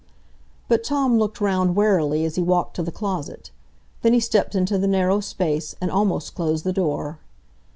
But Tom looked round warily as he walked to the closet; then he stepped into the narrow space, and almost closed the door.